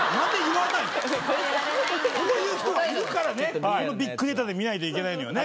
こういう人がいるからねこのビッグデータで見ないといけないのよね